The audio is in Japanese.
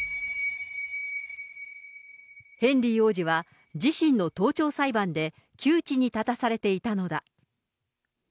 ヘンリー王子は、自身の盗聴裁判で、窮地に立たされていたのだ。